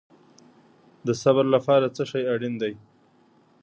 د صبر لپاره څه شی اړین دی؟